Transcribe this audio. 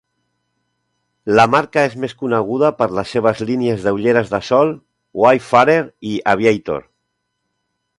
La marca és més coneguda per les seves línies d'ulleres de sol Wayfarer i Aviator.